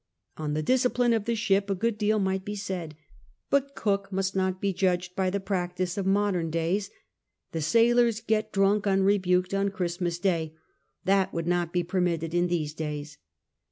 On the discipline of the ship a good deal might be said, but Cook must not be judged by the practice of modern days. Tlic sailors get dmnk unrebuked on Christmas Day — that would not bo permitted in these days.